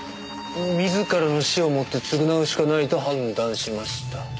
「自らの死をもって償うしかないと判断しました」